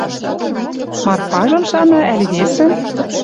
Марфажым шана ӓли весӹм?